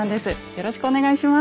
よろしくお願いします。